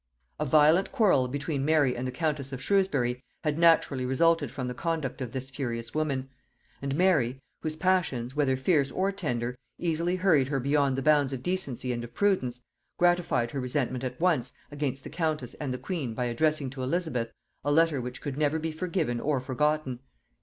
A violent quarrel between Mary and the countess of Shrewsbury had naturally resulted from the conduct of this furious woman; and Mary, whose passions, whether fierce or tender, easily hurried her beyond the bounds of decency and of prudence, gratified her resentment at once against the countess and the queen by addressing to Elizabeth a letter which could never be forgiven or forgotten.